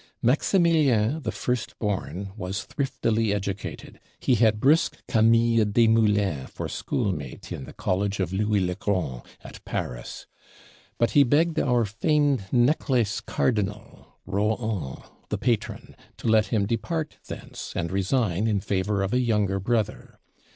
Maximilien, the first born, was thriftily educated; he had brisk Camille Desmoulins for schoolmate in the College of Louis le Grand, at Paris. But he begged our famed Necklace Cardinal, Rohan, the patron, to let him depart thence, and resign in favor of a younger brother.